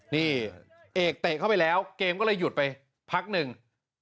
นี่เอกเตะเข้าไปแล้วเกมก็เลยหยุดไปพักหนึ่ง